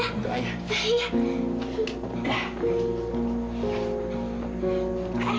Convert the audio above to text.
enggak kurang ajar lu